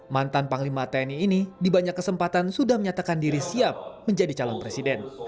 mantan panglima tni ini di banyak kesempatan sudah menyatakan diri siap menjadi calon presiden